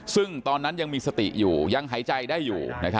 ซึ่งตอนนั้นยังมีสติอยู่ยังหายใจได้อยู่